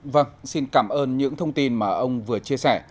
vâng xin cảm ơn những thông tin mà ông vừa chia sẻ